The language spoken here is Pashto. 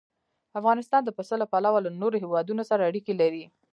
افغانستان د پسه له پلوه له نورو هېوادونو سره اړیکې لري.